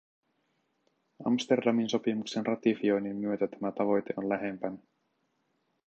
Amsterdamin sopimuksen ratifioinnin myötä tämä tavoite on lähempänä.